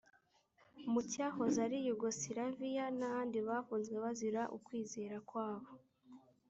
mu cyahoze ari Yugosilaviya n ahandi bafunzwe bazira ukwizera kwabo